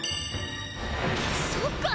そっか！